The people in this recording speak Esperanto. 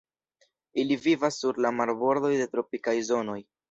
Ili vivas sur la marbordoj de tropikaj zonoj.